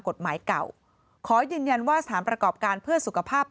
กฎหมายเก่าขอยืนยันว่าสถานประกอบการเพื่อสุขภาพ